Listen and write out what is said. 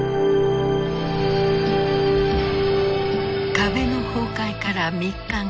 壁の崩壊から３日後。